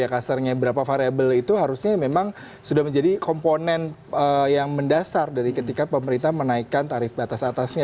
kasarnya berapa variable itu harusnya memang sudah menjadi komponen yang mendasar dari ketika pemerintah menaikkan tarif batas atasnya